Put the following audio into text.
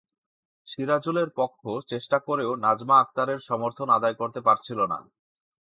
সিরাজুলের পক্ষ চেষ্টা করেও নাজমা আক্তারের সমর্থন আদায় করতে পারছিল না।